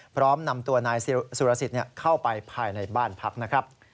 พร้อมนำตัวนายสุรสิทธิ์เข้าไปภายในบ้านพักนะครับ